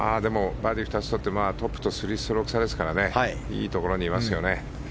バーディー２つをとってトップと３ストローク差ですからいいところにいますよね。